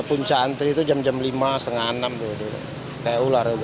punca antri itu jam jam lima setengah enam kayak ular itu antri